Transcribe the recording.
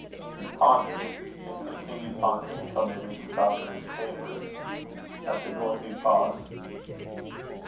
Hugh pondered, and continued pondering till they reached Falconer's chambers. At the door Hugh paused.